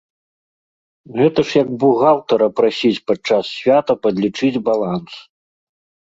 Гэта ж як бухгалтара прасіць падчас свята падлічыць баланс.